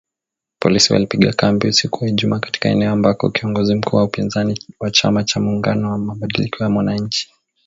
Polisi walipiga kambi usiku wa Ijumaa katika eneo ambako kiongozi mkuu wa upinzani wa chama cha Muungano wa mabadiliko ya wananchi.